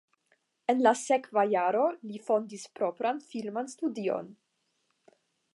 En la sekva jaro li fondis propran filman studion.